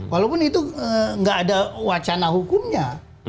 walaupun itu nggak ada wacana hukumnya